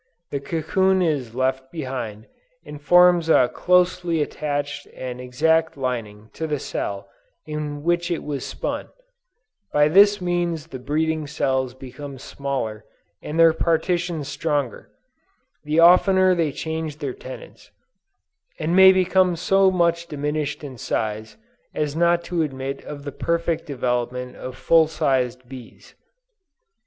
The cocoon is left behind, and forms a closely attached and exact lining to the cell in which it was spun; by this means the breeding cells become smaller and their partitions stronger, the oftener they change their tenants; and may become so much diminished in size as not to admit of the perfect development of full sized bees."